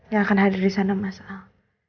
yang akan hadir disana mas al